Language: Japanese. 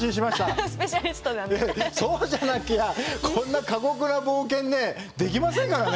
そうじゃなきゃこんな過酷な冒険ねできませんからね。